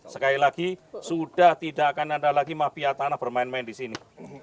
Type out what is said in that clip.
sekali lagi sudah tidak akan ada lagi mafiatanah bermain main disini